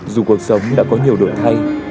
dù cuộc sống đã có nhiều đổi thay